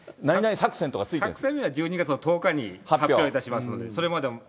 作戦名は１２月の１０日に発表いたしますので、それまでは。